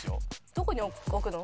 どこに置くの？